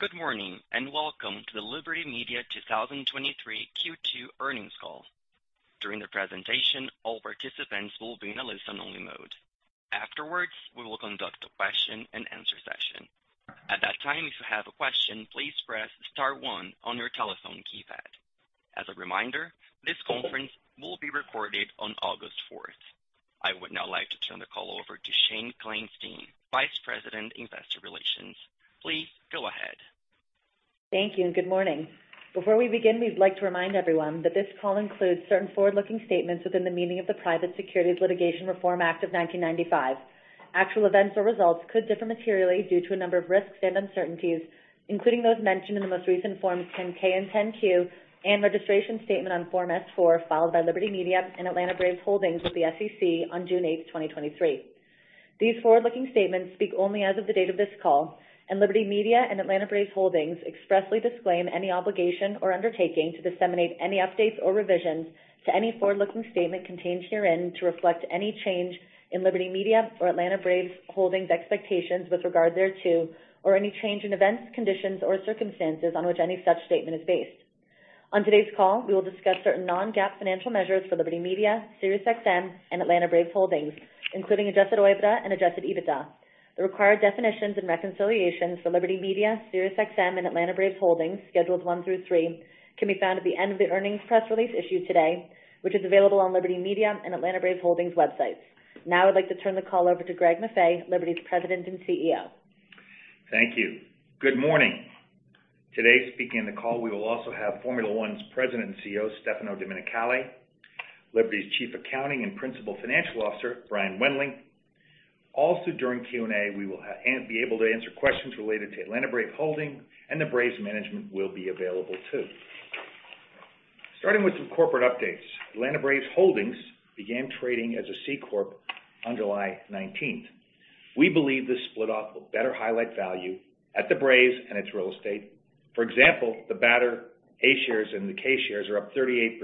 Good morning, and welcome to the Liberty Media 2023 Q2 Earnings Call. During the presentation, all participants will be in a listen-only mode. Afterwards, we will conduct a question-and-answer session. At that time, if you have a question, please press star one on your telephone keypad. As a reminder, this conference will be recorded on August fourth. I would now like to turn the call over to Shane Kleinstein, Vice President, Investor Relations. Please go ahead. Thank you, and good morning. Before we begin, we'd like to remind everyone that this call includes certain forward-looking statements within the meaning of the Private Securities Litigation Reform Act of 1995. Actual events or results could differ materially due to a number of risks and uncertainties, including those mentioned in the most recent Forms 10-K and 10-Q and registration statement on Form S-4, filed by Liberty Media and Atlanta Braves Holdings with the SEC on June 8, 2023. These forward-looking statements speak only as of the date of this call, and Liberty Media and Atlanta Braves Holdings expressly disclaim any obligation or undertaking to disseminate any updates or revisions to any forward-looking statement contained herein to reflect any change in Liberty Media or Atlanta Braves Holdings' expectations with regard thereto, or any change in events, conditions, or circumstances on which any such statement is based. On today's call, we will discuss certain non-GAAP financial measures for Liberty Media, SiriusXM, and Atlanta Braves Holdings, including Adjusted OIBDA and Adjusted EBITDA. The required definitions and reconciliations for Liberty Media, SiriusXM, and Atlanta Braves Holdings, Schedules 1 through 3, can be found at the end of the earnings press release issued today, which is available on Liberty Media and Atlanta Braves Holdings websites. I'd like to turn the call over to Greg Maffei, Liberty's President and CEO. Thank you. Good morning. Today, speaking on the call, we will also have Formula 1's President and Chief Executive Officer, Stefano Domenicali, Liberty's Chief Accounting Officer and Principal Financial Officer, Brian Wendling. Also during Q&A, we will be able to answer questions related to Atlanta Braves Holdings, and the Braves management will be available, too. Starting with some corporate updates, Atlanta Braves Holdings began trading as a C corp on July 19th. We believe this split off will better highlight value at the Braves and its real estate. For example, the BATRA shares and the BATRK shares are up 38%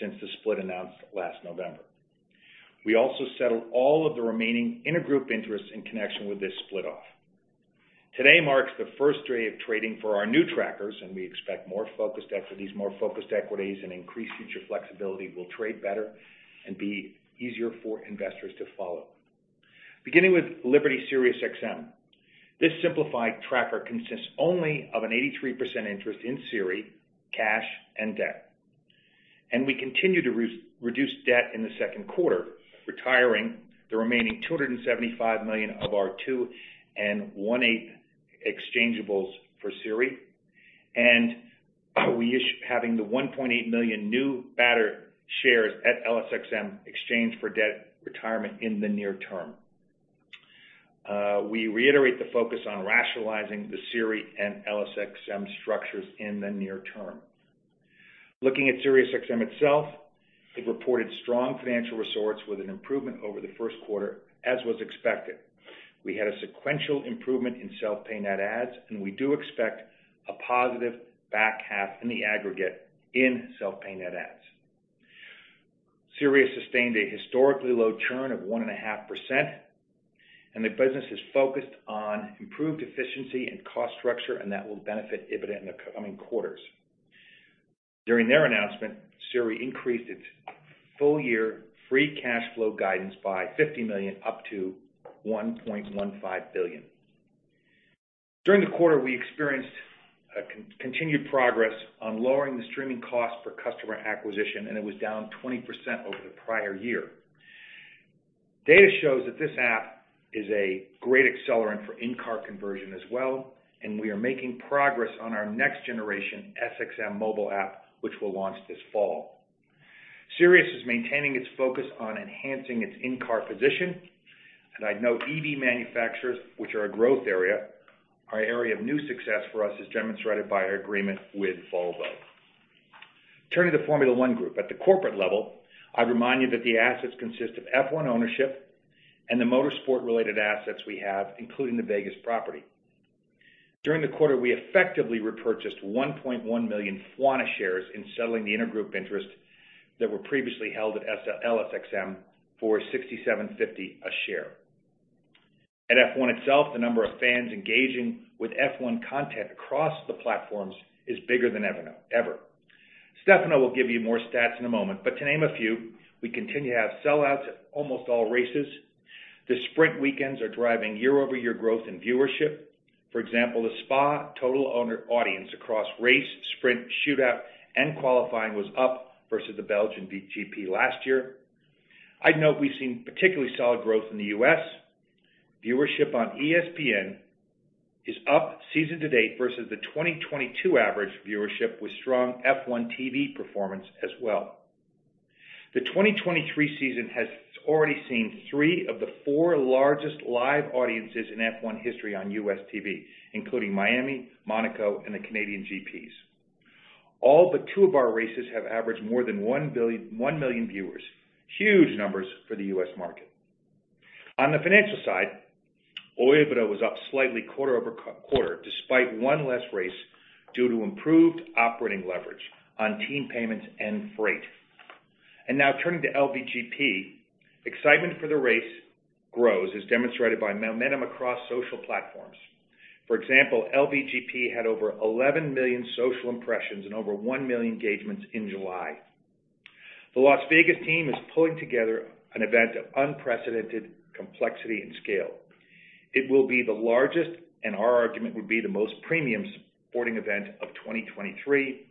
since the split announced last November. We also settled all of the remaining intergroup interests in connection with this split off. Today marks the first day of trading for our new trackers, and we expect more focused equities. More focused equities and increased future flexibility will trade better and be easier for investors to follow. Beginning with Liberty SiriusXM, this simplified tracker consists only of an 83% interest in SIRI, cash, and debt. We continue to re-reduce debt in the second quarter, retiring the remaining $275 million of our 2.125% exchangeables for SIRI. We having the 1.8 million new batter shares at LSXM exchanged for debt retirement in the near term. We reiterate the focus on rationalizing the SIRI and LSXM structures in the near term. Looking at SiriusXM itself, it reported strong financial results with an improvement over the first quarter, as was expected. We had a sequential improvement in self-pay net adds, and we do expect a positive back half in the aggregate in self-pay net adds. Sirius sustained a historically low churn of 1.5%, the business is focused on improved efficiency and cost structure, and that will benefit EBITDA in the coming quarters. During their announcement, SIRI increased its full-year free cash flow guidance by $50 million, up to $1.15 billion. During the quarter, we experienced continued progress on lowering the streaming cost per customer acquisition, it was down 20% over the prior year. Data shows that this app is a great accelerant for in-car conversion as well, we are making progress on our next generation SXM mobile app, which will launch this fall. Sirius is maintaining its focus on enhancing its in-car position, I'd note EV manufacturers, which are a growth area, are an area of new success for us, as demonstrated by our agreement with Volvo. Turning to Formula 1 Group, at the corporate level, I'd remind you that the assets consist of F1 ownership and the motorsport-related assets we have, including the Vegas property. During the quarter, we effectively repurchased 1.1 million FWONA shares in settling the intergroup interests that were previously held at LSXM for $67.50 a share. At F1 itself, the number of fans engaging with F1 content across the platforms is bigger than ever. Stefano will give you more stats in a moment. To name a few, we continue to have sellouts at almost all races. The Sprint weekends are driving year-over-year growth in viewership. For example, the Spa total owner audience across race, sprint, shootout, and qualifying was up versus the Belgian GP last year. I'd note we've seen particularly solid growth in the U.S. Viewership on ESPN is up season to date versus the 2022 average viewership, with strong F1 TV performance as well. The 2023 season has already seen 3 of the 4 largest live audiences in F1 history on U.S. TV, including Miami, Monaco, and the Canadian GPs. All but 2 of our races have averaged more than 1 million viewers. Huge numbers for the U.S. market. On the financial side, OIBDA was up slightly quarter over quarter, despite 1 less race, due to improved operating leverage on team payments and freight. Now turning to LVGP. Excitement for the race grows, as demonstrated by momentum across social platforms. For example, LVGP had over 11 million social impressions and over 1 million engagements in July. The Las Vegas team is pulling together an event of unprecedented complexity and scale. It will be the largest, and our argument would be the most premium sporting event of 2023,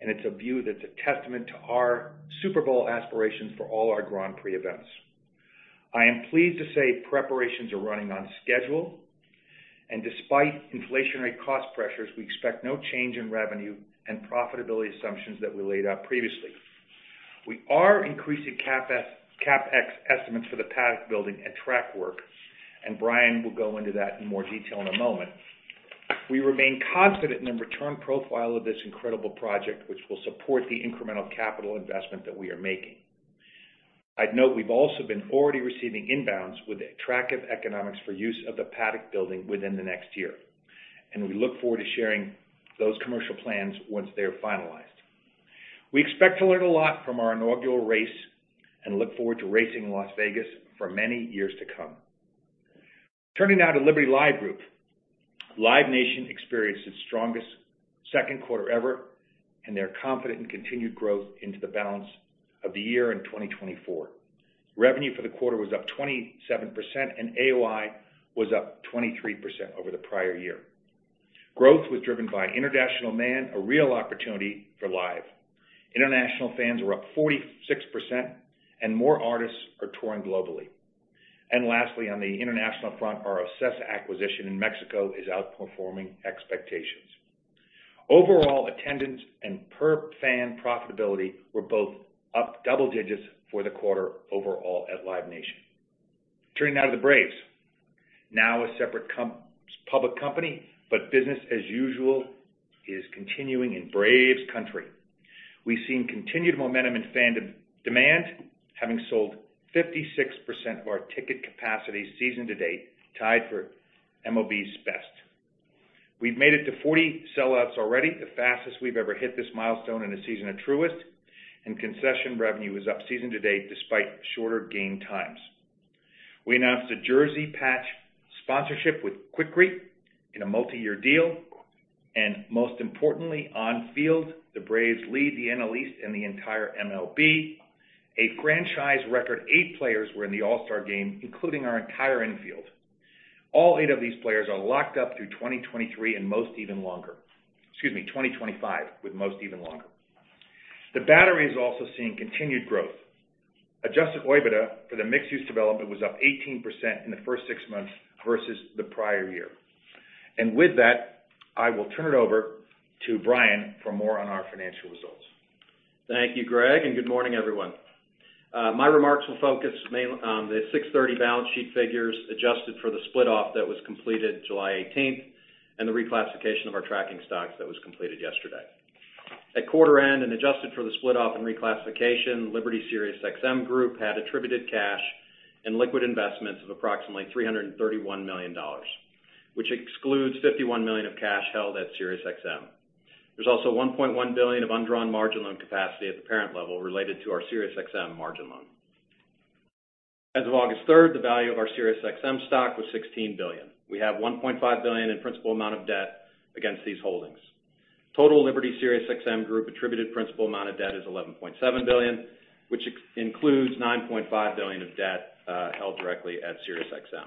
and it's a view that's a testament to our Super Bowl aspirations for all our Grand Prix events. I am pleased to say preparations are running on schedule, and despite inflationary cost pressures, we expect no change in revenue and profitability assumptions that we laid out previously. We are increasing CapEx, CapEx estimates for the paddock building and track work, and Brian will go into that in more detail in a moment. We remain confident in the return profile of this incredible project, which will support the incremental capital investment that we are making. I'd note we've also been already receiving inbounds with attractive economics for use of the paddock building within the next year, and we look forward to sharing those commercial plans once they are finalized. We expect to learn a lot from our inaugural race and look forward to racing in Las Vegas for many years to come. Turning now to Liberty Live Group. Live Nation experienced its strongest second quarter ever, and they're confident in continued growth into the balance of the year in 2024. Revenue for the quarter was up 27%, and AOI was up 23% over the prior year. Growth was driven by international demand, a real opportunity for Live. International fans were up 46%, and more artists are touring globally. Lastly, on the international front, our OCESA acquisition in Mexico is outperforming expectations. Overall, attendance and per fan profitability were both up double digits for the quarter overall at Live Nation. Turning now to the Braves. Now a separate public company, Business as usual is continuing in Braves country. We've seen continued momentum in fan demand, having sold 56% of our ticket capacity season to date, tied for MLB's best. We've made it to 40 sellouts already, the fastest we've ever hit this milestone in a season at Truist, concession revenue is up season to date, despite shorter game times. We announced a jersey patch sponsorship with Quikrete in a multiyear deal, most importantly, on field, the Braves lead the NL East and the entire MLB. A franchise record eight players were in the All-Star Game, including our entire infield. All eight of these players are locked up through 2023 and most even longer. Excuse me, 2025, with most even longer. The Battery is also seeing continued growth. Adjusted EBITDA for the mixed-use development was up 18% in the first six months versus the prior year. With that, I will turn it over to Brian for more on our financial results. Thank you, Greg, good morning, everyone. My remarks will focus on the 6/30 balance sheet figures adjusted for the split off that was completed July 18th, and the reclassification of our tracking stocks that was completed yesterday. At quarter end and adjusted for the split off and reclassification, Liberty SiriusXM Group had attributed cash and liquid investments of approximately $331 million, which excludes $51 million of cash held at SiriusXM. There's also $1.1 billion of undrawn margin loan capacity at the parent level related to our SiriusXM margin loan. As of August 3rd, the value of our SiriusXM stock was $16 billion. We have $1.5 billion in principal amount of debt against these holdings. Total Liberty SiriusXM Group attributed principal amount of debt is $11.7 billion, which includes $9.5 billion of debt held directly at SiriusXM.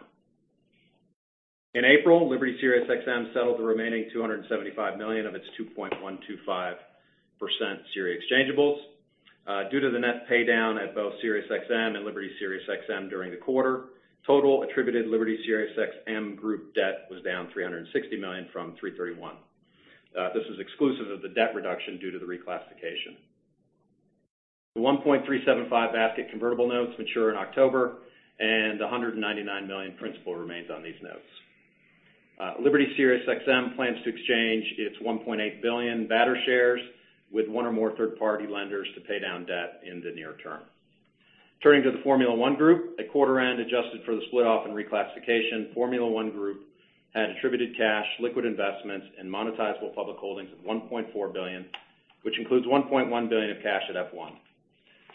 In April, Liberty SiriusXM settled the remaining $275 million of its 2.125% SIRI exchangeables. Due to the net pay down at both SiriusXM and Liberty SiriusXM during the quarter, total attributed Liberty SiriusXM Group debt was down $360 million from $331. This is exclusive of the debt reduction due to the reclassification. The 1.375% basket convertible notes mature in October, and $199 million principal remains on these notes. Liberty SiriusXM plans to exchange its $1.8 billion BATRA shares with one or more third-party lenders to pay down debt in the near term. Turning to the Formula 1 Group, at quarter end, adjusted for the split off and reclassification, Formula 1 Group had attributed cash, liquid investments, and monetizable public holdings of $1.4 billion, which includes $1.1 billion of cash at F1.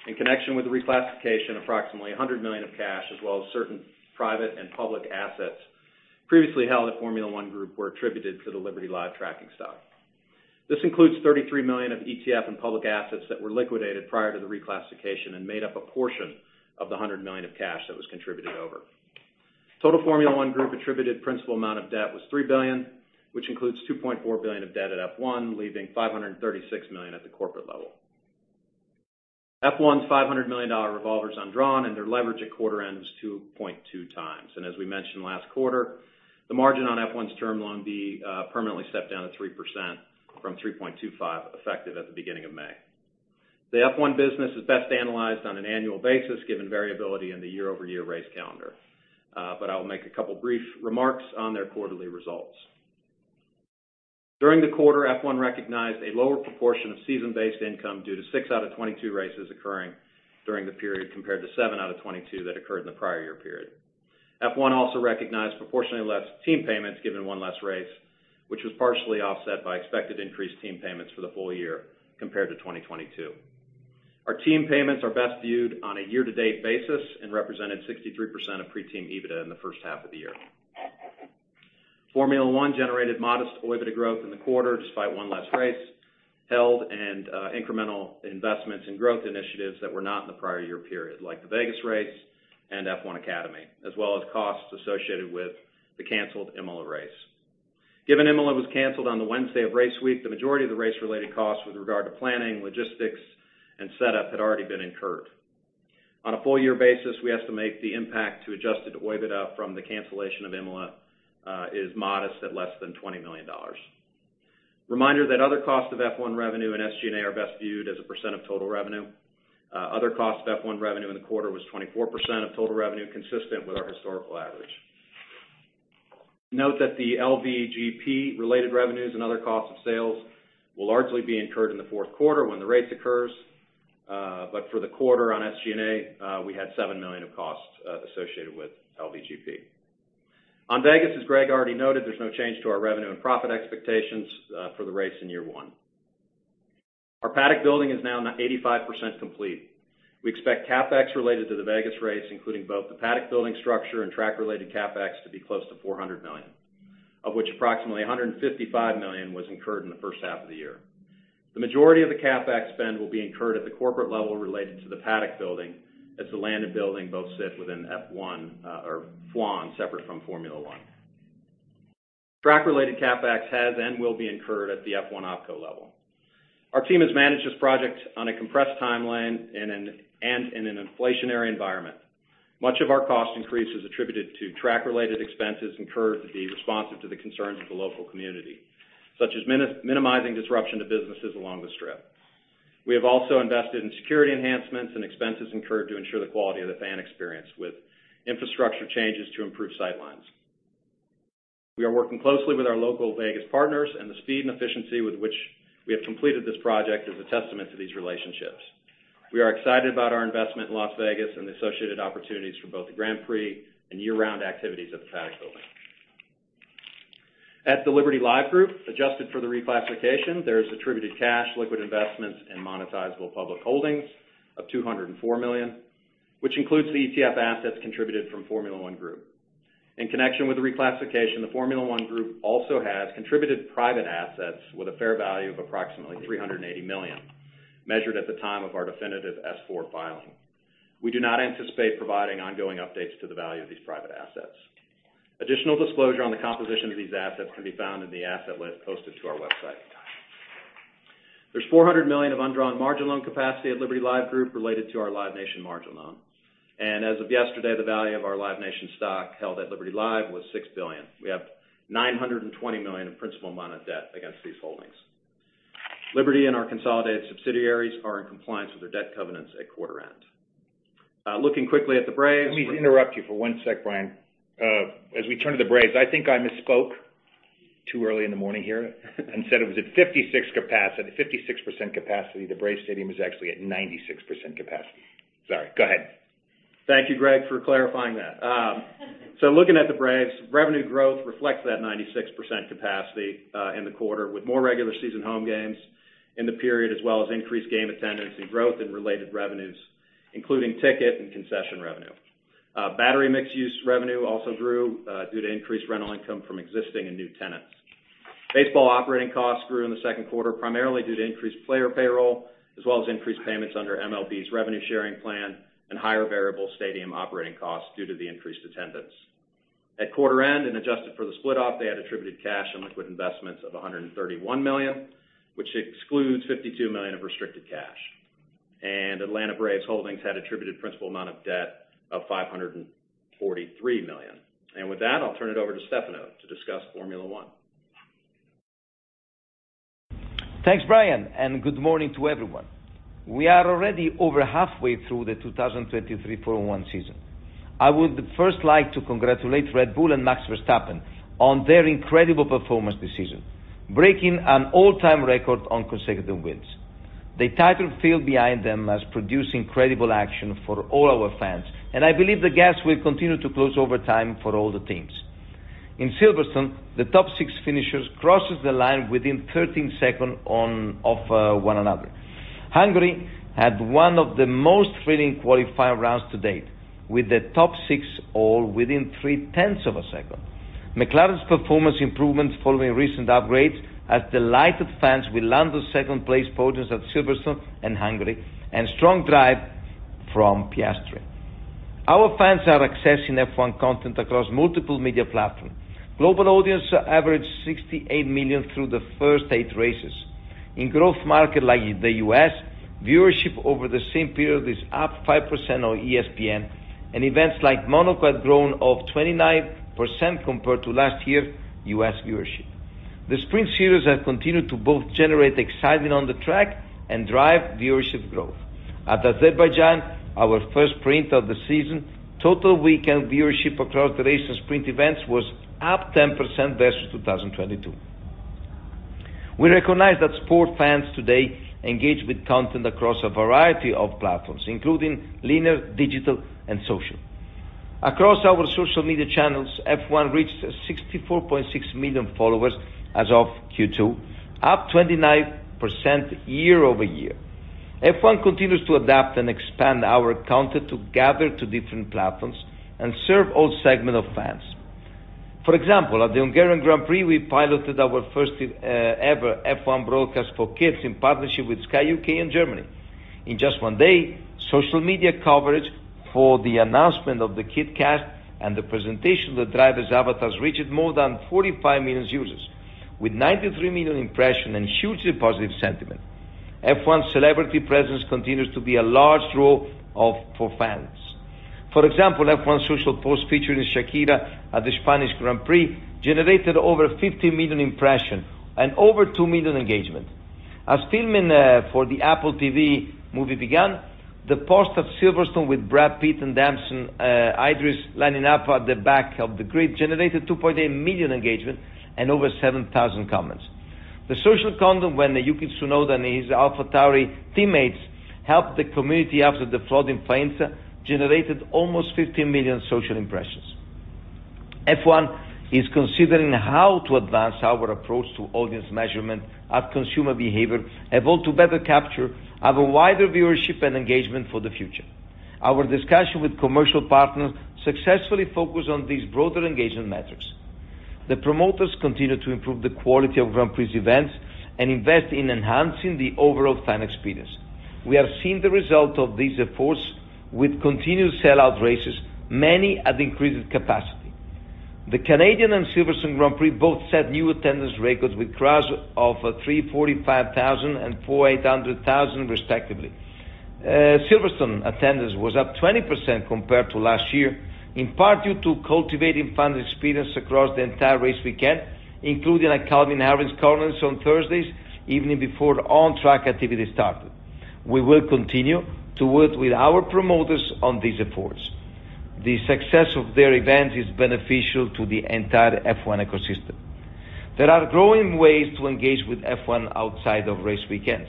In connection with the reclassification, approximately $100 million of cash, as well as certain private and public assets previously held at Formula 1 Group, were attributed to the Liberty Live tracking stock. This includes $33 million of ETF and public assets that were liquidated prior to the reclassification and made up a portion of the $100 million of cash that was contributed over. Total Formula 1 Group attributed principal amount of debt was $3 billion, which includes $2.4 billion of debt at F1, leaving $536 million at the corporate level. F1's $500 million revolver is undrawn and their leverage at quarter end is 2.2 times. As we mentioned last quarter, the margin on F1's Term Loan B permanently stepped down to 3% from 3.25%, effective at the beginning of May. The F1 business is best analyzed on an annual basis, given variability in the year-over-year race calendar. I will make a couple of brief remarks on their quarterly results. During the quarter, F1 recognized a lower proportion of season-based income due to six out of 22 races occurring during the period, compared to seven out of 22 that occurred in the prior year period. F1 also recognized proportionately less team payments given one less race, which was partially offset by expected increased team payments for the full year compared to 2022. Our team payments are best viewed on a year-to-date basis and represented 63% of pre-team EBITDA in the first half of the year. Formula 1 generated modest OIBDA growth in the quarter, despite 1 less race held and incremental investments in growth initiatives that were not in the prior year period, like the Vegas race and F1 Academy, as well as costs associated with the canceled Imola race. Given Imola was canceled on the Wednesday of race week, the majority of the race-related costs with regard to planning, logistics, and setup had already been incurred. On a full year basis, we estimate the impact to Adjusted OIBDA from the cancellation of Imola is modest at less than $20 million. Reminder that other costs of F1 revenue and SG&A are best viewed as a % of total revenue. Other costs of F1 revenue in the quarter was 24% of total revenue, consistent with our historical average. Note that the LVGP related revenues and other costs of sales will largely be incurred in the fourth quarter when the race occurs. For the quarter on SG&A, we had $7 million of costs associated with LVGP. On Vegas, as Greg already noted, there's no change to our revenue and profit expectations for the race in year one. Our Paddock building is now 85% complete. We expect CapEx related to the Vegas race, including both the Paddock building structure and track-related CapEx, to be close to $400 million, of which approximately $155 million was incurred in the first half of the year. The majority of the CapEx spend will be incurred at the corporate level related to the Paddock building, as the land and building both sit within F1 or FLAN, separate from Formula 1. Track-related CapEx has and will be incurred at the F1 OpCo level. Our team has managed this project on a compressed timeline and in an inflationary environment. Much of our cost increase is attributed to track-related expenses incurred to be responsive to the concerns of the local community, such as minimizing disruption to businesses along the Strip. We have also invested in security enhancements and expenses incurred to ensure the quality of the fan experience with infrastructure changes to improve sight lines. We are working closely with our local Vegas partners, and the speed and efficiency with which we have completed this project is a testament to these relationships. We are excited about our investment in Las Vegas and the associated opportunities for both the Grand Prix and year-round activities at the Paddock building. At the Liberty Live Group, adjusted for the reclassification, there is attributed cash, liquid investments, and monetizable public holdings of $204 million, which includes the ETF assets contributed from Formula 1 Group. In connection with the reclassification, the Formula 1 Group also has contributed private assets with a fair value of approximately $380 million, measured at the time of our definitive S-4 filing. We do not anticipate providing ongoing updates to the value of these private assets. Additional disclosure on the composition of these assets can be found in the asset list posted to our website. There's $400 million of undrawn margin loan capacity at Liberty Live Group related to our Live Nation margin loan, and as of yesterday, the value of our Live Nation stock held at Liberty Live was $6 billion. We have $920 million in principal amount of debt against these holdings. Liberty and our consolidated subsidiaries are in compliance with their debt covenants at quarter end. Looking quickly at the Braves. Let me interrupt you for one sec, Brian. As we turn to the Braves, I think I misspoke too early in the morning here, and said it was at 56 capacity, 56% capacity. The Braves stadium is actually at 96% capacity. Sorry, go ahead. Thank you, Greg, for clarifying that. Looking at the Braves, revenue growth reflects that 96% capacity in the quarter, with more regular season home games in the period, as well as increased game attendance and growth in related revenues, including ticket and concession revenue. The Battery mixed-use revenue also grew due to increased rental income from existing and new tenants. Baseball operating costs grew in the second quarter, primarily due to increased player payroll, as well as increased payments under MLB's revenue sharing plan and higher variable stadium operating costs due to the increased attendance. At quarter end and adjusted for the split off, they had attributed cash and liquid investments of $131 million, which excludes $52 million of restricted cash. Atlanta Braves Holdings had attributed principal amount of debt of $543 million. With that, I'll turn it over to Stefano to discuss Formula 1. Thanks, Brian. Good morning to everyone. We are already over halfway through the 2023 Formula 1 season. I would first like to congratulate Red Bull and Max Verstappen on their incredible performance this season, breaking an all-time record on consecutive wins. The title field behind them has produced incredible action for all our fans. I believe the gaps will continue to close over time for all the teams. In Silverstone, the top 6 finishers crosses the line within 13 seconds of one another. Hungary had one of the most thrilling qualifying rounds to date, with the top 6 all within three-tenths of a second. McLaren's performance improvements following recent upgrades has delighted fans with Lando's second-place podiums at Silverstone and Hungary, strong drive from Piastre. Our fans are accessing F1 content across multiple media platforms. Global audience averaged 68 million through the first eight races. In growth market like the U.S., viewership over the same period is up 5% on ESPN. Events like Monaco had grown of 29% compared to last year's U.S. viewership. The Sprint Series have continued to both generate excitement on the track and drive viewership growth. At Azerbaijan, our first sprint of the season, total weekend viewership across the race and sprint events was up 10% versus 2022. We recognize that sport fans today engage with content across a variety of platforms, including linear, digital, and social. Across our social media channels, F1 reached 64.6 million followers as of Q2, up 29% year-over-year. F1 continues to adapt and expand our content to gather to different platforms and serve all segment of fans. For example, at the Hungarian Grand Prix, we piloted our first ever F1 broadcast for kids in partnership with Sky U.K. and Germany. In just one day, social media coverage for the announcement of the KidCast and the presentation of the drivers' avatars reached more than 45 million users, with 93 million impression and hugely positive sentiment. F1 celebrity presence continues to be a large role of, for fans. For example, F1 social post featuring Shakira at the Spanish Grand Prix, generated over 50 million impression and over 2 million engagement. As filming for the Apple TV movie began, the post at Silverstone with Brad Pitt and Damson, Idris lining up at the back of the grid, generated 2.8 million engagement and over 7,000 comments. The social content when Yuki Tsunoda and his AlphaTauri teammates helped the community after the flood in France, generated almost 15 million social impressions. F1 is considering how to advance our approach to audience measurement as consumer behavior evolve to better capture our wider viewership and engagement for the future. Our discussion with commercial partners successfully focus on these broader engagement metrics. The promoters continue to improve the quality of Grand Prix events and invest in enhancing the overall fan experience. We have seen the result of these efforts with continued sell-out races, many at increased capacity. The Canadian and Silverstone Grand Prix both set new attendance records with crowds of 345,000 and 480,000, respectively. Silverstone attendance was up 20% compared to last year, in part due to cultivating fan experience across the entire race weekend, including a Calvin Harris concert on Thursdays, evening before the on-track activity started. We will continue to work with our promoters on these efforts. The success of their event is beneficial to the entire F1 ecosystem. There are growing ways to engage with F1 outside of race weekends.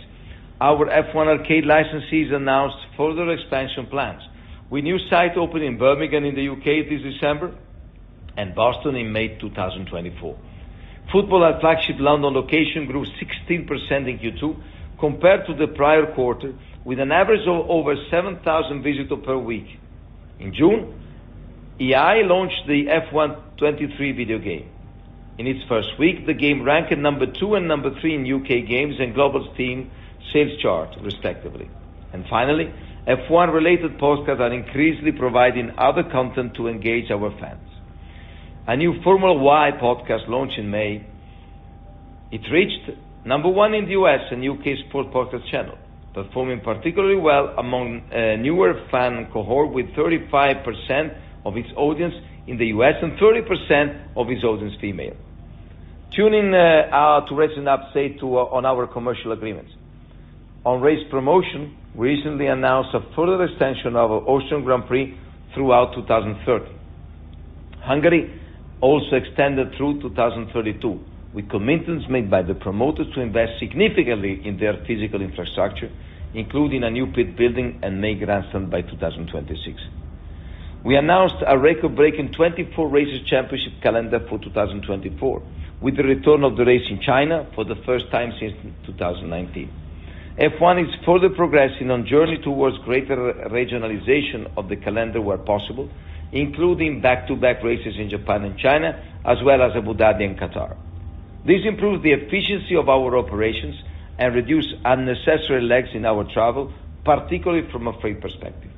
Our F1 Arcade licensees announced further expansion plans, with new site opening in Birmingham, in the U.K. this December, and Boston in May 2024. Football at flagship London location grew 16% in Q2 compared to the prior quarter, with an average of over 7,000 visitors per week. In June, EA launched the F1 2023 video game. In its first week, the game ranked at two and three in U.K. games and global Steam sales chart, respectively. Finally, F1 related podcasts are increasingly providing other content to engage our fans. A new Formula 1 podcast launched in May. It reached one in the U.S. and U.K. sports podcast channel, performing particularly well among newer fan cohort, with 35% of its audience in the U.S. and 30% of its audience female. Tuning to race an update to, on our commercial agreements. On race promotion, we recently announced a further extension of Austrian Grand Prix throughout 2030. Hungary also extended through 2032, with commitments made by the promoters to invest significantly in their physical infrastructure, including a new pit building and main grandstand by 2026. We announced a record-breaking 24 races championship calendar for 2024, with the return of the race in China for the first time since 2019. F1 is further progressing on journey towards greater regionalization of the calendar where possible, including back-to-back races in Japan and China, as well as Abu Dhabi and Qatar. This improves the efficiency of our operations and reduce unnecessary lags in our travel, particularly from a freight perspective.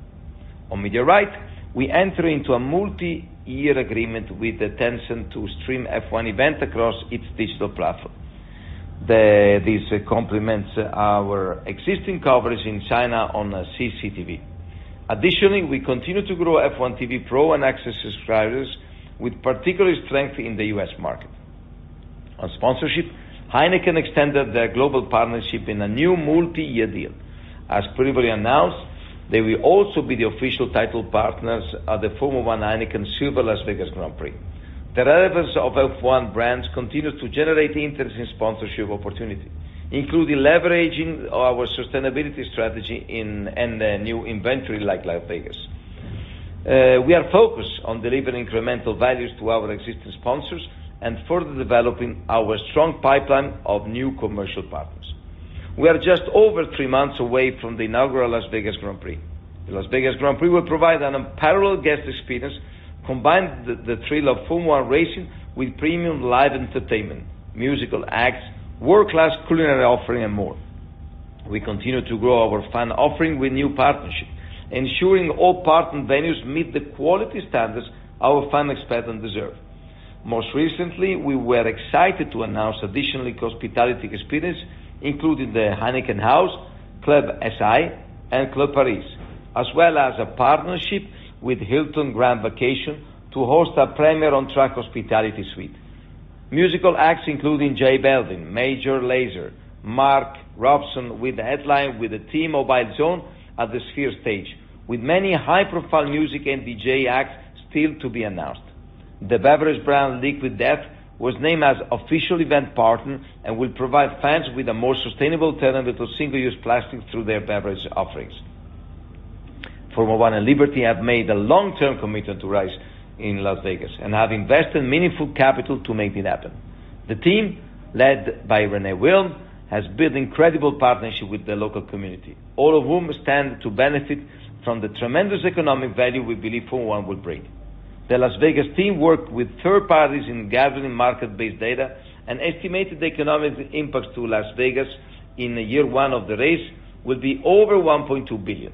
On media right, we enter into a multi-year agreement with Tencent to stream F1 event across its digital platform. This complements our existing coverage in China on CCTV. Additionally, we continue to grow F1 TV Pro and access subscribers with particular strength in the U.S. market. On sponsorship, Heineken extended their global partnership in a new multi-year deal. As previously announced, they will also be the official title partners at the Formula 1 Heineken Silver Las Vegas Grand Prix. The relevance of F1 brands continues to generate interest in sponsorship opportunity, including leveraging our sustainability strategy in, and new inventory like Las Vegas. We are focused on delivering incremental values to our existing sponsors and further developing our strong pipeline of new commercial partners. We are just over three months away from the inaugural Las Vegas Grand Prix. The Las Vegas Grand Prix will provide an unparalleled guest experience, combining the, the thrill of Formula 1 racing with premium live entertainment, musical acts, world-class culinary offering, and more. We continue to grow our fan offering with new partnerships, ensuring all partner venues meet the quality standards our fans expect and deserve. Most recently, we were excited to announce additionally, hospitality experience, including the Heineken House, Club SI, and Club Paris, as well as a partnership with Hilton Grand Vacations to host our premier on-track hospitality suite. Musical acts including J Balvin, Major Lazer, Mark Ronson, with the headline with the T-Mobile Zone at Sphere stage, with many high-profile music and DJ acts still to be announced. The beverage brand Liquid Death was named as official event partner and will provide fans with a more sustainable alternative to single-use plastic through their beverage offerings. Formula 1 and Liberty have made a long-term commitment to race in Las Vegas and have invested meaningful capital to make it happen. The team, led by Renee Wilm, has built incredible partnership with the local community, all of whom stand to benefit from the tremendous economic value we believe Formula 1 will bring. The Las Vegas team worked with third parties in gathering market-based data and estimated the economic impact to Las Vegas in year one of the race will be over $1.2 billion.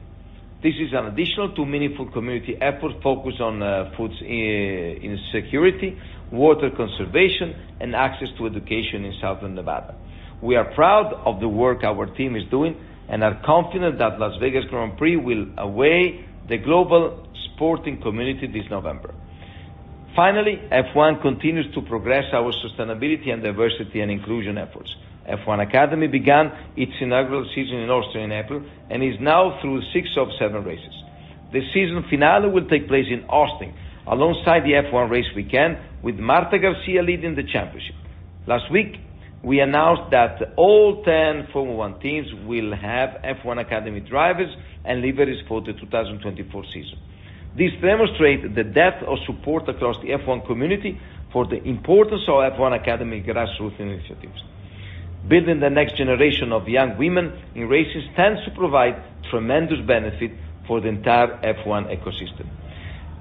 This is an additional two meaningful community efforts focused on food insecurity, water conservation, and access to education in Southern Nevada. We are proud of the work our team is doing and are confident that Las Vegas Grand Prix will away the global sporting community this November. Finally, F1 continues to progress our sustainability and diversity and inclusion efforts. F1 Academy began its inaugural season in Austria in April and is now through six of seven races. The season finale will take place in Austin, alongside the F1 race weekend, with Marta Garcia leading the championship. Last week, we announced that all 10 Formula 1 teams will have F1 Academy drivers and liveries for the 2024 season. This demonstrate the depth of support across the F1 community for the importance of F1 Academy grassroots initiatives. Building the next generation of young women in racing stands to provide tremendous benefit for the entire F1 ecosystem.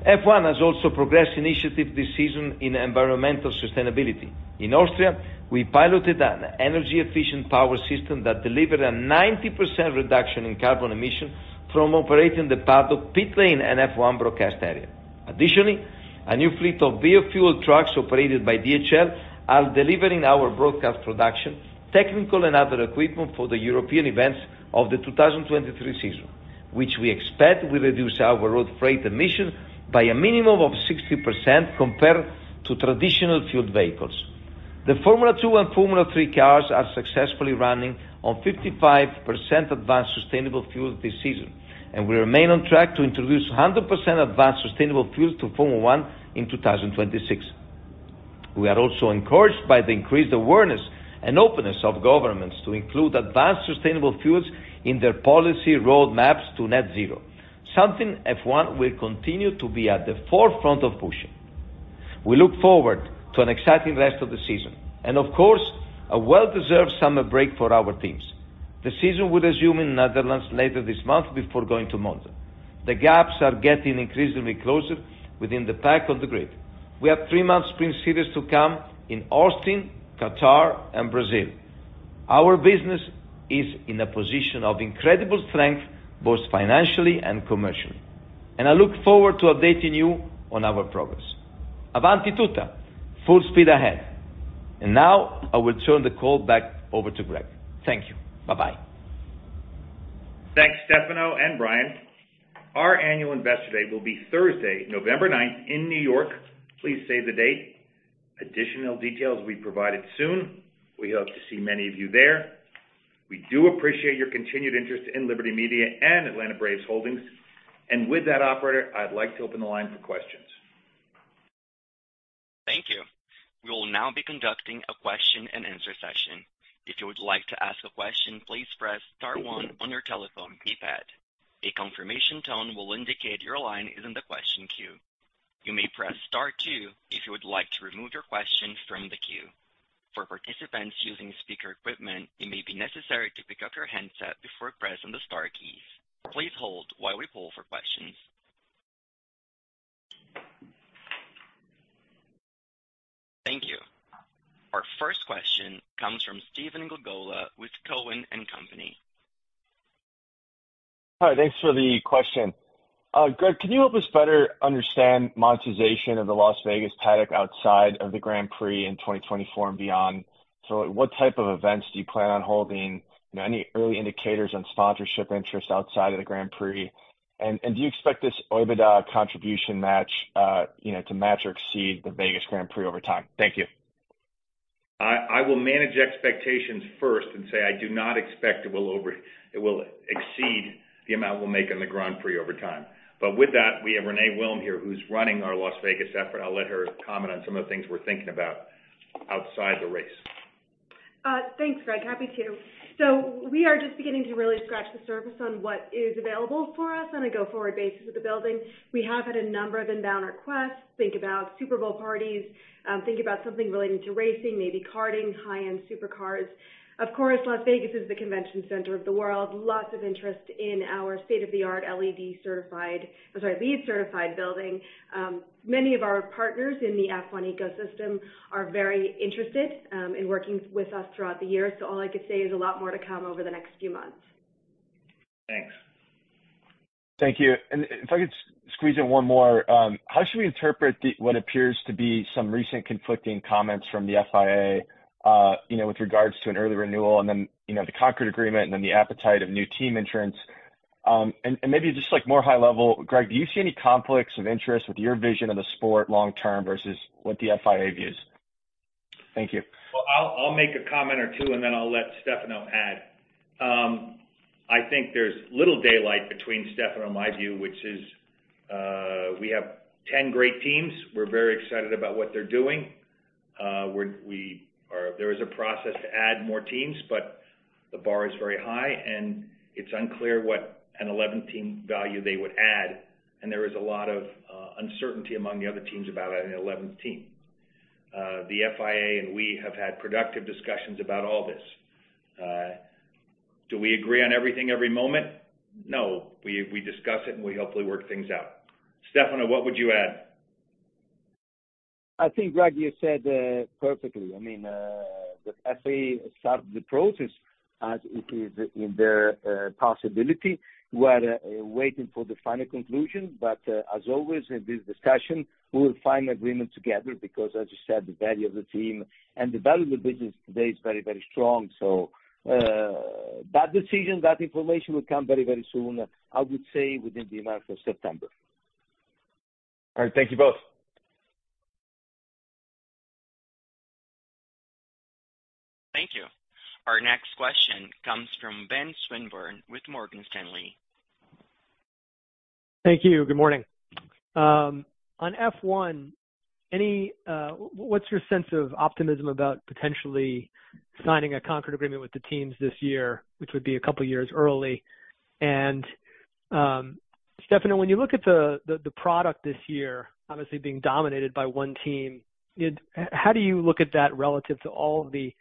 F1 has also progressed initiatives this season in environmental sustainability. In Austria, we piloted an energy-efficient power system that delivered a 90% reduction in carbon emissions from operating the part of pit lane and F1 broadcast area. Additionally, a new fleet of bio-fueled trucks operated by DHL are delivering our broadcast production, technical and other equipment for the European events of the 2023 season, which we expect will reduce our road freight emission by a minimum of 60% compared to traditional fueled vehicles. The Formula 2 and Formula 3 cars are successfully running on 55% advanced sustainable fuel this season. We remain on track to introduce 100% advanced sustainable fuel to Formula 1 in 2026. We are also encouraged by the increased awareness and openness of governments to include advanced sustainable fuels in their policy roadmaps to net zero, something F1 will continue to be at the forefront of pushing. We look forward to an exciting rest of the season and, of course, a well-deserved summer break for our teams. The season will resume in the Netherlands later this month before going to Monza. The gaps are getting increasingly closer within the pack on the grid. We have three months Sprint Series to come in Austin, Qatar, and Brazil. Our business is in a position of incredible strength, both financially and commercially, and I look forward to updating you on our progress. Avanti tutta! Full speed ahead. Now I will turn the call back over to Greg. Thank you. Bye-bye. Thanks, Stefano and Brian. Our annual investor day will be Thursday, November ninth, in New York. Please save the date. Additional details will be provided soon. We hope to see many of you there. We do appreciate your continued interest in Liberty Media and Atlanta Braves Holdings. With that, operator, I'd like to open the line for questions. Thank you. We will now be conducting a question-and-answer session. If you would like to ask a question, please press star one on your telephone keypad. A confirmation tone will indicate your line is in the question queue. You may press star two if you would like to remove your question from the queue. For participants using speaker equipment, it may be necessary to pick up your handset before pressing the star keys. Please hold while we poll for questions. Thank you. Our first question comes from Stephen Gagola with Cowen and Company. Hi, thanks for the question. Greg, can you help us better understand monetization of the Las Vegas paddock outside of the Grand Prix in 2024 and beyond? What type of events do you plan on holding? You know, any early indicators on sponsorship interest outside of the Grand Prix? Do you expect this OIBDA contribution match, you know, to match or exceed the Vegas Grand Prix over time? Thank you. I will manage expectations first and say I do not expect it will exceed the amount we'll make on the Grand Prix over time. With that, we have Renee Wilm here, who's running our Las Vegas effort. I'll let her comment on some of the things we're thinking about outside the race. Thanks, Greg. Happy to. We are just beginning to really scratch the surface on what is available for us on a go-forward basis with the building. We have had a number of inbound requests. Think about Super Bowl parties, think about something relating to racing, maybe carting, high-end supercars. Of course, Las Vegas is the convention center of the world. Lots of interest in our state-of-the-art, LEED certified building. Many of our partners in the F1 ecosystem are very interested in working with us throughout the year. All I can say is a lot more to come over the next few months. Thanks. Thank you. If I could squeeze in one more. How should we interpret the, what appears to be some recent conflicting comments from the FIA, you know, with regards to an early renewal and then, you know, the Concorde Agreement and then the appetite of new team entrants? Maybe just, like, more high level, Greg, do you see any conflicts of interest with your vision of the sport long term versus what the FIA views? Thank you. Well, I'll make a comment or two, and then I'll let Stefano add. I think there's little daylight between Stefano and my view, which is, we have 10 great teams. We're very excited about what they're doing. There is a process to add more teams, but the bar is very high, and it's unclear what an 11th team value they would add, and there is a lot of uncertainty among the other teams about adding an 11th team. The FIA and we have had productive discussions about all this. Do we agree on everything, every moment? No. We, we discuss it, and we hopefully work things out. Stefano, what would you add? I think, Greg, you said, perfectly. I mean, the FIA started the process as it is in their possibility. We're waiting for the final conclusion, but, as always, in this discussion, we will find agreement together, because, as you said, the value of the team and the value of the business today is very, very strong. That decision, that information will come very, very soon. I would say within the month of September. All right. Thank you both. Thank you. Our next question comes from Ben Swinburne with Morgan Stanley. Thank you. Good morning. On F1, any, what's your sense of optimism about potentially signing a Concord Agreement with the teams this year, which would be a couple of years early? Stefano, when you look at the, the, the product this year, obviously being dominated by one team, how do you look at that relative to all the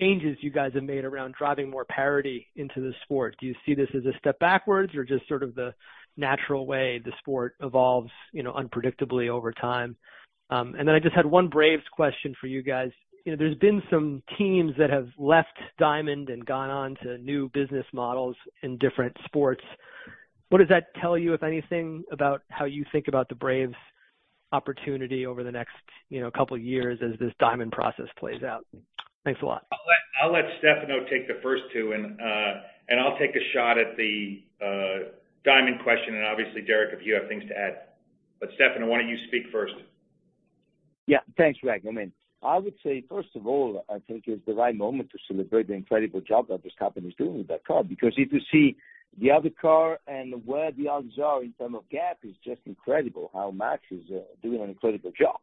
changes you guys have made around driving more parity into the sport? Do you see this as a step backwards or just sort of the natural way the sport evolves, you know, unpredictably over time? I just had one Braves question for you guys. You know, there's been some teams that have left Diamond and gone on to new business models in different sports. What does that tell you, if anything, about how you think about the Braves' opportunity over the next, you know, couple of years as this Diamond process plays out? Thanks a lot. I'll let Stefano take the first two, and, and I'll take a shot at the Diamond question, and obviously, Derek, if you have things to add. Stefano, why don't you speak first? Yeah. Thanks, Greg. I mean, I would say, first of all, I think it's the right moment to celebrate the incredible job that this company is doing with that car, because if you see the other car and where the others are in term of gap, it's just incredible how Max is doing an incredible job.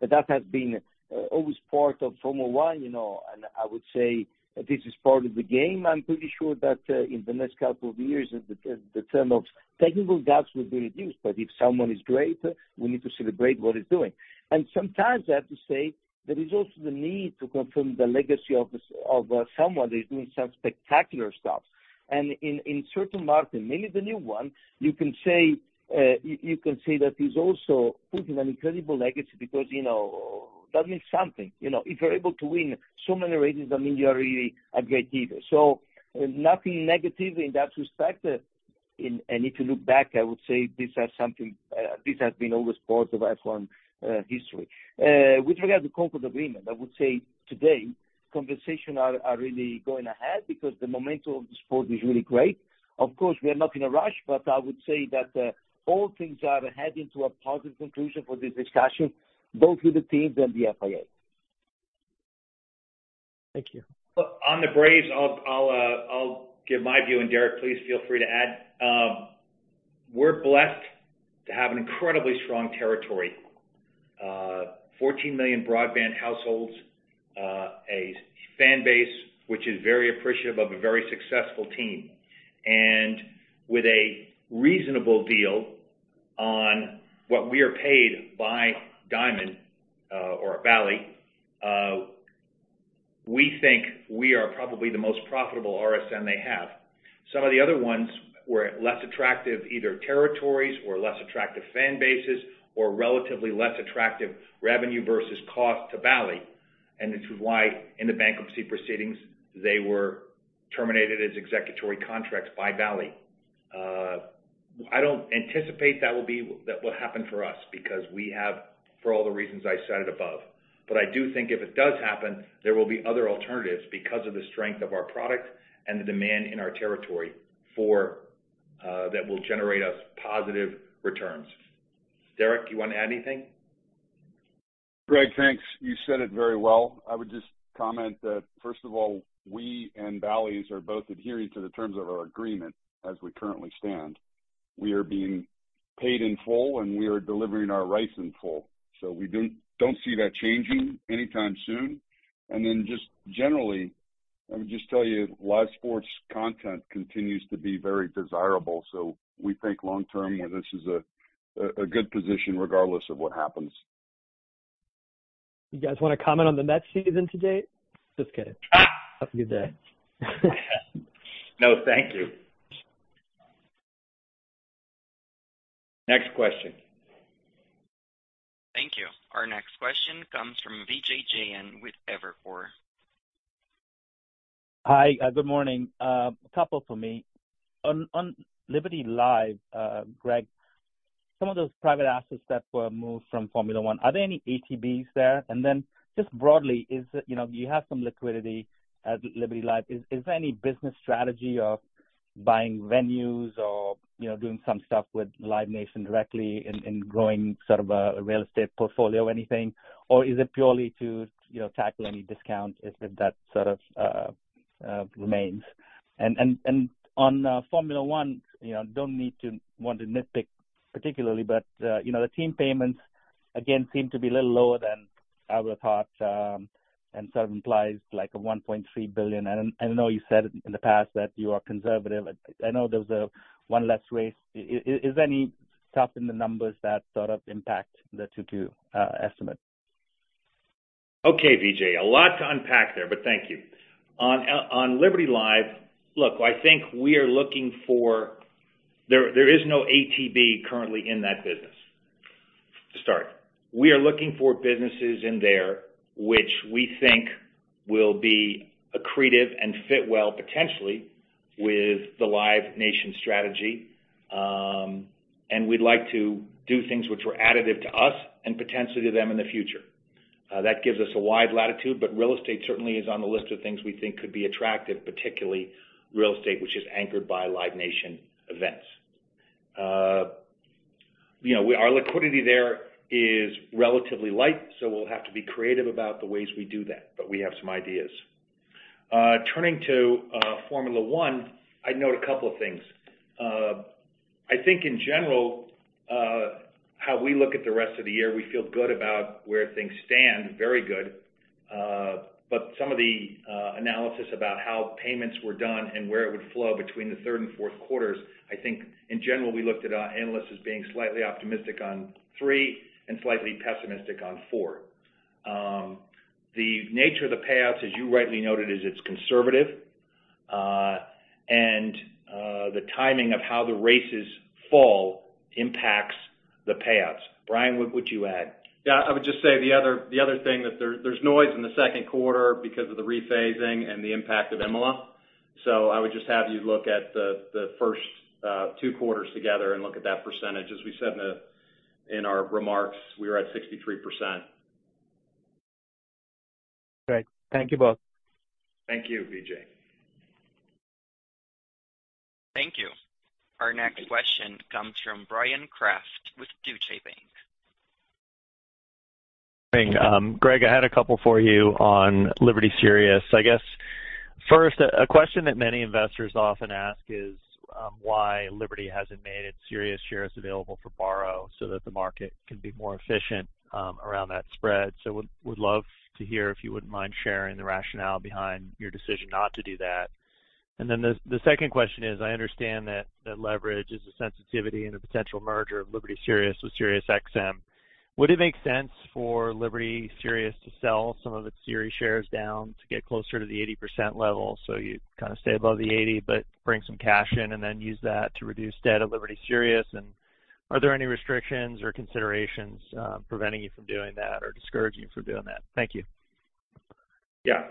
That has been always part of Formula 1, you know, and I would say this is part of the game. I'm pretty sure that in the next couple of years, the, the, the term of technical gaps will be reduced. If someone is great, we need to celebrate what he's doing. Sometimes I have to say, there is also the need to confirm the legacy of someone that is doing some spectacular stuff. In, in certain markets, and maybe the new one, you can say, you, you can say that he's also putting an incredible legacy because, you know, that means something. You know, if you're able to win so many races, that means you're really a great leader. Nothing negative in that respect. If you look back, I would say this has something, this has been always part of F1 history. With regard to Concord Agreement, I would say today, conversations are, are really going ahead because the momentum of the sport is really great. Of course, we are not in a rush, but I would say that all things are heading to a positive conclusion for this discussion, both with the teams and the FIA. Thank you. On the Braves, I'll give my view, and Derek, please feel free to add. We're blessed to have an incredibly strong territory. 14 million broadband households, a fan base, which is very appreciative of a very successful team, and with a reasonable deal on what we are paid by Diamond, or Bally, we think we are probably the most profitable RSN they have. Some of the other ones were less attractive, either territories or less attractive fan bases or relatively less attractive revenue versus cost to Bally. This is why in the bankruptcy proceedings, they were terminated as executory contracts by Bally. I don't anticipate that that will happen for us because we have, for all the reasons I cited above. I do think if it does happen, there will be other alternatives because of the strength of our product and the demand in our territory for. That will generate us positive returns. Derek, you want to add anything? Greg, thanks. You said it very well. I would just comment that, first of all, we and Bally Sports are both adhering to the terms of our agreement as we currently stand. We are being paid in full, and we are delivering our rights in full. We don't, don't see that changing anytime soon. Just generally, let me just tell you, live sports content continues to be very desirable. We think long-term, and this is a, a, a good position regardless of what happens. You guys want to comment on the Mets season to date? Just kidding. Have a good day. No, thank you. Next question. Thank you. Our next question comes from Vijay Jayant with Evercore. Hi, good morning. A couple for me. On, on Liberty Live, Greg, some of those private assets that were moved from Formula 1, are there any ATBs there? Just broadly, you know, you have some liquidity at Liberty Live, is there any business strategy of buying venues or, you know, doing some stuff with Live Nation directly in, in growing sort of a, a real estate portfolio or anything? Or is it purely to, you know, tackle any discounts if that sort of remains? On Formula 1, you know, don't need to want to nitpick particularly, but, you know, the team payments, again, seem to be a little lower than I would've thought, and sort of implies like a $1.3 billion. I, I know you said in the past that you are conservative. I know there was one less race. Is, is, is there any stuff in the numbers that sort of impact the 2022 estimate? Okay, Vijay. A lot to unpack there. Thank you. On, on Liberty Live, look, I think we are looking there, there is no ATB currently in that business, to start. We are looking for businesses in there which we think will be accretive and fit well, potentially, with the Live Nation strategy. We'd like to do things which were additive to us and potentially to them in the future. That gives us a wide latitude, but real estate certainly is on the list of things we think could be attractive, particularly real estate, which is anchored by Live Nation events. You know, our liquidity there is relatively light, so we'll have to be creative about the ways we do that, but we have some ideas. Turning to Formula 1, I'd note a couple of things. I think in general, how we look at the rest of the year, we feel good about where things stand, very good. Some of the analysis about how payments were done and where it would flow between the third and fourth quarters, I think in general, we looked at our analysts as being slightly optimistic on three and slightly pessimistic on four. The nature of the payouts, as you rightly noted, is it's conservative. The timing of how the races fall impacts the payouts. Brian, what would you add? Yeah, I would just say the other, the other thing, that there, there's noise in the second quarter because of the rephasing and the impact of Imola. I would just have you look at the, the first, two quarters together and look at that percentage. As we said in the, in our remarks, we were at 63%. Great. Thank you both. Thank you, Vijay. Thank you. Our next question comes from Bryan Kraft with Deutsche Bank. Hey, Greg, I had a couple for you on Liberty Sirius. I guess, first, a question that many investors often ask is, why Liberty hasn't made its Sirius shares available for borrow so that the market can be more efficient around that spread. Would love to hear, if you wouldn't mind sharing, the rationale behind your decision not to do that. The second question is, I understand that leverage is a sensitivity in a potential merger of Liberty Sirius with SiriusXM. Would it make sense for Liberty Sirius to sell some of its SIRI shares down to get closer to the 80% level? You kind of stay above the 80, but bring some cash in and then use that to reduce debt of Liberty Sirius. Are there any restrictions or considerations, preventing you from doing that or discourage you from doing that? Thank you. Yeah.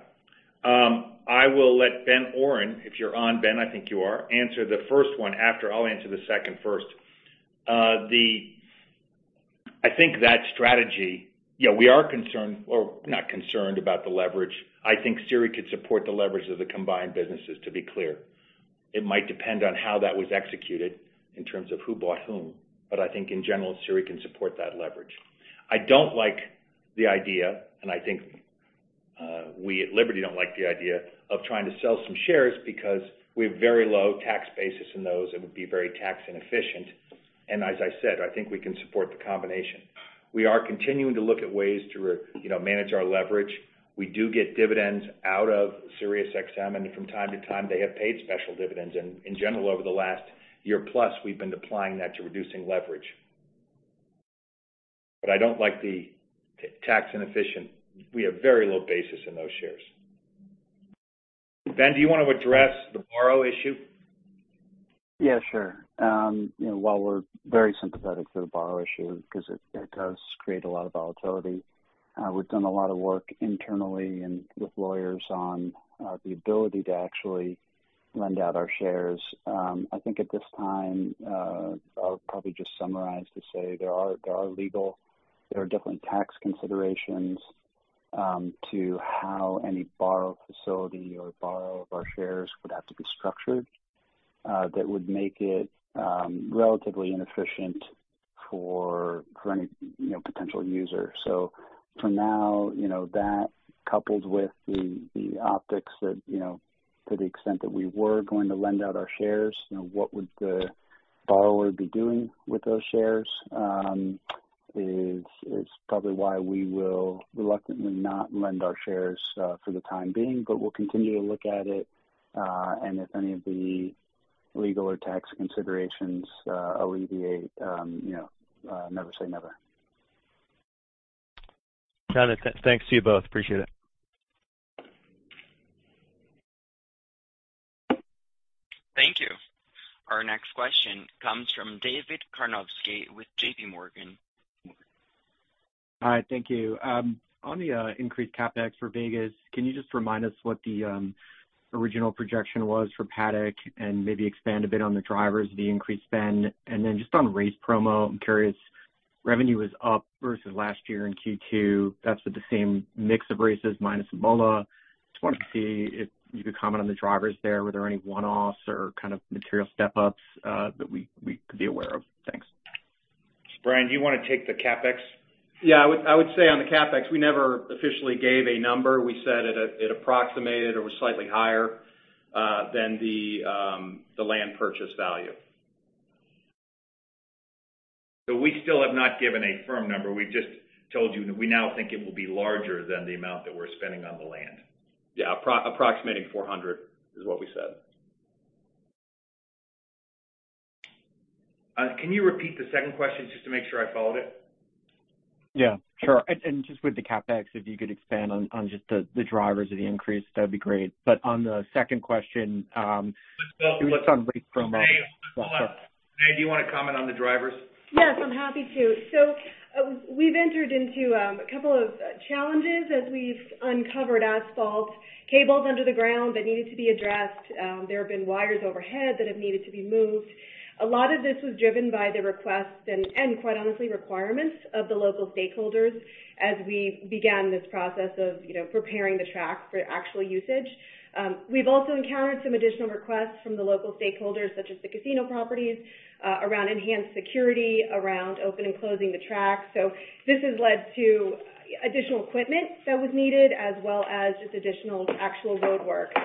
I will let Ben Oren, if you're on, Ben, I think you are, answer the first one after. I'll answer the second first. I think that strategy, you know, we are concerned or not concerned about the leverage. I think SIRI could support the leverage of the combined businesses, to be clear. It might depend on how that was executed in terms of who bought whom, but I think in general, SIRI can support that leverage. I don't like the idea, and I think, we at Liberty don't like the idea, of trying to sell some shares because we have very low tax basis in those. It would be very tax inefficient. As I said, I think we can support the combination. We are continuing to look at ways to re- you know, manage our leverage. We do get dividends out of SiriusXM, and from time to time, they have paid special dividends. In general, over the last year plus, we've been applying that to reducing leverage. I don't like the tax inefficient. We have very low basis in those shares. Ben, do you want to address the borrow issue? Yeah, sure. You know, while we're very sympathetic to the borrow issue because it, it does create a lot of volatility, we've done a lot of work internally and with lawyers on the ability to actually lend out our shares. I think at this time, I'll probably just summarize to say there are, there are legal, there are different tax considerations to how any borrow facility or borrow of our shares would have to be structured, that would make it relatively inefficient for any, you know, potential user. For now, you know, that coupled with the, the optics that, you know, to the extent that we were going to lend out our shares, you know, what would the borrower be doing with those shares, is, is probably why we will reluctantly not lend our shares, for the time being. We'll continue to look at it, and if any of the legal or tax considerations, alleviate, you know, never say never. Got it. Thanks to you both. Appreciate it. Thank you. Our next question comes from David Karnovsky with JPMorgan. Hi, thank you. On the increased CapEx for Vegas, can you just remind us what the original projection was for Paddock? Maybe expand a bit on the drivers of the increased spend. Then just on race promo, I'm curious. Revenue was up versus last year in Q2. That's with the same mix of races, minus Imola. Just wanted to see if you could comment on the drivers there. Were there any one-offs or kind of material step ups that we could be aware of? Thanks. Brian, do you want to take the CapEx? Yeah, I would, I would say on the CapEx, we never officially gave a number. We said it, it approximated or was slightly higher, than the, the land purchase value. We still have not given a firm number. We've just told you that we now think it will be larger than the amount that we're spending on the land. Yeah, approximating 400 is what we said. Can you repeat the second question just to make sure I followed it? Yeah, sure. Just with the CapEx, if you could expand on, on just the, the drivers of the increase, that'd be great. On the second question, it was on race promo. Renee, do you want to comment on the drivers? Yes, I'm happy to. We've entered into two challenges as we've uncovered asphalt. Cables under the ground that needed to be addressed, there have been wires overhead that have needed to be moved. A lot of this was driven by the request and, quite honestly, requirements of the local stakeholders as we began this process of, you know, preparing the track for actual usage. We've also encountered some additional requests from the local stakeholders, such as the casino properties, around enhanced security, around opening and closing the track. This has led to additional equipment that was needed, as well as just additional actual roadwork.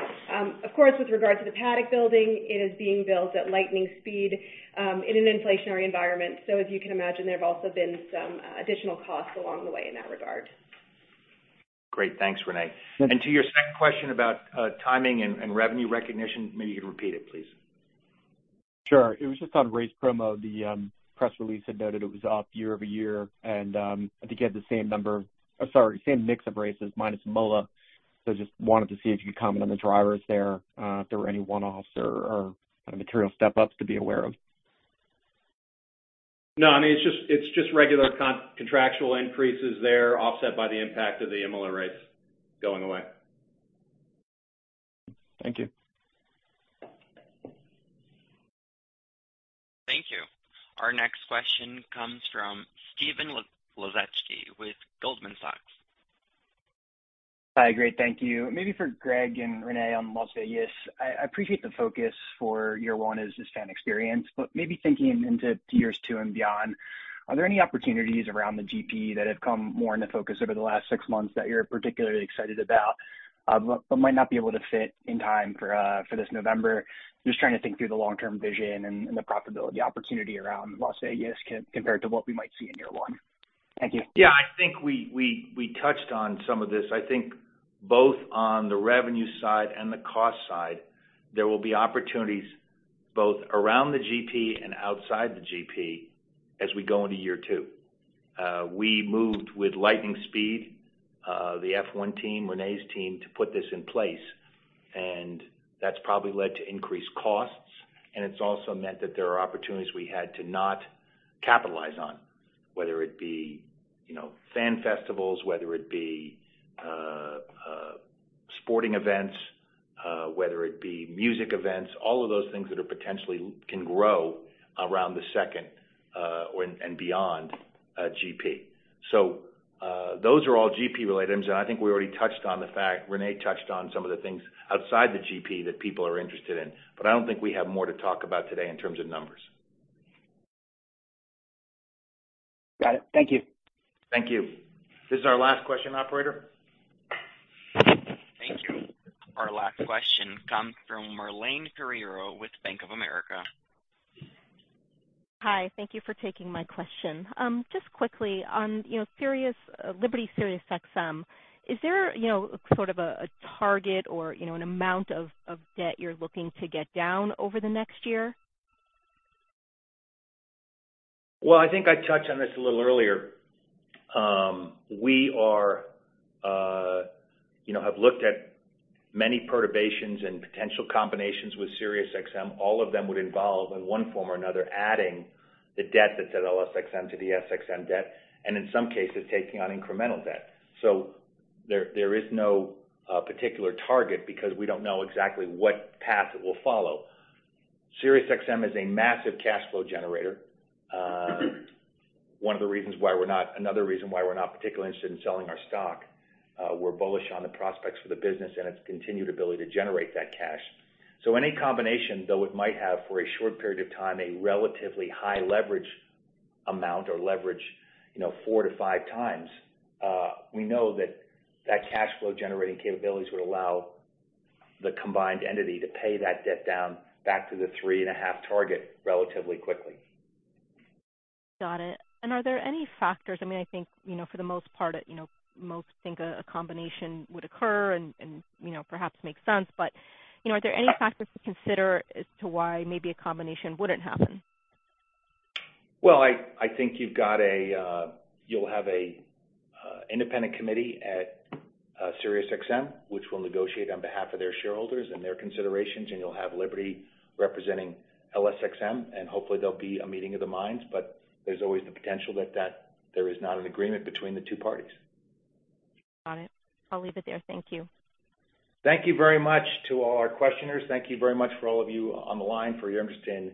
Of course, with regard to the paddock building, it is being built at lightning speed, in an inflationary environment. As you can imagine, there have also been some additional costs along the way in that regard. Great, thanks, Renee. To your second question about timing and, and revenue recognition, maybe you could repeat it, please. Sure. It was just on race promo. The press release had noted it was up year-over-year, and I think you had the same number, sorry, same mix of races minus Imola. Just wanted to see if you could comment on the drivers there, if there were any one-offs or material step ups to be aware of. No, I mean, it's just, it's just regular contractual increases there, offset by the impact of the Imola race going away. Thank you. Thank you. Our next question comes from Stephen Laszczyk with Goldman Sachs. Hi, great, thank you. Maybe for Greg and Renee on Las Vegas, I, I appreciate the focus for year one as this fan experience, but maybe thinking into years two and beyond, are there any opportunities around the GP that have come more into focus over the last six months that you're particularly excited about, but, but might not be able to fit in time for this November? Just trying to think through the long-term vision and, and the profitability opportunity around Las Vegas compared to what we might see in year one. Thank you. Yeah, I think we, we, we touched on some of this. I think both on the revenue side and the cost side, there will be opportunities both around the GP and outside the GP as we go into year two. We moved with lightning speed, the F1 team, Renee's team, to put this in place, and that's probably led to increased costs, and it's also meant that there are opportunities we had to not capitalize on, whether it be, you know, fan festivals, whether it be sporting events, whether it be music events, all of those things that are potentially can grow around the second and beyond GP. So, those are all GP-related items, and I think we already touched on the fact... Renee touched on some of the things outside the GP that people are interested in, but I don't think we have more to talk about today in terms of numbers. Got it. Thank you. Thank you. This is our last question, operator? Thank you. Our last question comes from [Marlene Carrero] with Bank of America. Hi, thank you for taking my question. just quickly on, you know, Sirius, Liberty SiriusXM, is there, you know, sort of a, a target or, you know, an amount of, of debt you're looking to get down over the next year? Well, I think I touched on this a little earlier. We are, you know, have looked at many perturbations and potential combinations with SiriusXM. All of them would involve, in one form or another, adding the debt that's at LSXM to the SXM debt, and in some cases, taking on incremental debt. There, there is no particular target because we don't know exactly what path it will follow. SiriusXM is a massive cash flow generator. One of the reasons why we're not particularly interested in selling our stock. We're bullish on the prospects for the business and its continued ability to generate that cash. Any combination, though, it might have, for a short period of time, a relatively high leverage amount or leverage, you know, 4-5x, we know that that cash flow generating capabilities would allow the combined entity to pay that debt down back to the 3.5 target relatively quickly. Got it. Are there any factors... I mean, I think, you know, for the most part, you know, most think a, a combination would occur and, and, you know, perhaps make sense. You know, are there any factors to consider as to why maybe a combination wouldn't happen? Well, I think you'll have a independent committee at SiriusXM, which will negotiate on behalf of their shareholders and their considerations, and you'll have Liberty representing LSXM, and hopefully, there'll be a meeting of the minds. There's always the potential that there is not an agreement between the two parties. Got it. I'll leave it there. Thank you. Thank you very much to all our questioners. Thank you very much for all of you on the line, for your interest in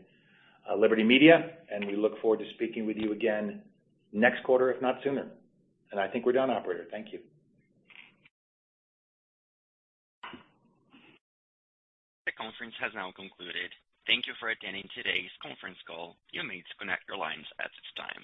Liberty Media. We look forward to speaking with you again next quarter, if not sooner. I think we're done, operator. Thank you. This conference has now concluded. Thank you for attending today's conference call. You may disconnect your lines at this time.